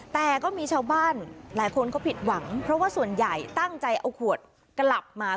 แต่ก็มีชาวบ้านหลายคนเขาผิดหวังเพราะว่าส่วนใหญ่ตั้งใจเอาขวดกลับมา